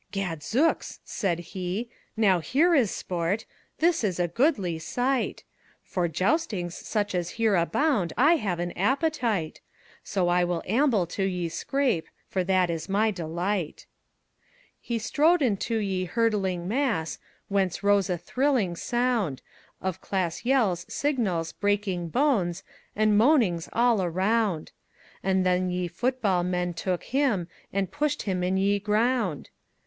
"Gadzookes!" he sayde; "now, here is sporte! Thys is a goodlie syghte. For joustynges soche as here abound I have an appetyte; So I will amble to ye scrappe, For that is my delyghte." He strode into ye hurtlynge mass, Whence rose a thrillynge sounde Of class yelles, sygnalles, breakynge bones, And moanynges all arounde; And thenne ye footeballe menne tooke hym And pushed hym in ye grounde!